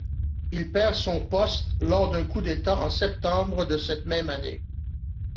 Il perd son poste lors d'un coup d'État en septembre de cette même année.